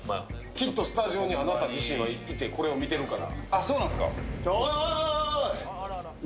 きっとスタジオに、あなた自身がいてこれを見ているから。